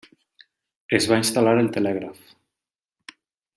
Es va instal·lar el telègraf.